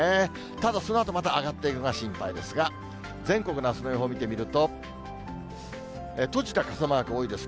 ただ、そのあとまた上がっていくのが心配ですが、全国のあすの予報を見てみると、閉じた傘マーク多いです。